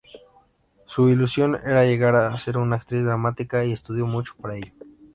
Su ilusión era llegar a ser una actriz dramática, y estudió mucho para ello.